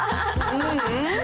ううん。